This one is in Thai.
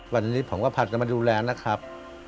วันนี้ผมก็พากันมาดูแลนะครับ